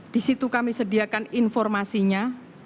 di situ kami sediakan informasinya